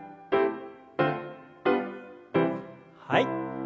はい。